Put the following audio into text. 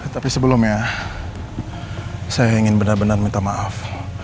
tapi sebelumnya saya ingin benar benar minta maaf